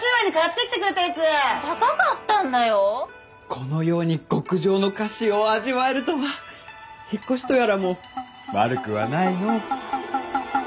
このように極上の菓子を味わえるとは引っ越しとやらも悪くはないのぉ。